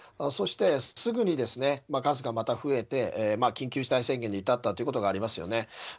そして、すぐに数がまた増えて緊急事態宣言に至ったということがありますよね。